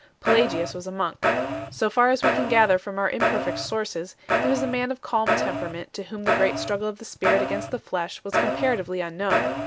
Pela gius was a monk. So far as we can gather from our imperfect sources, he was a man of calm temperament to whom the great struggle of the spirit against the flesh was comparatively unknown.